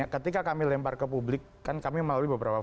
ketika kami lempar ke publik kan kami melalui beberapa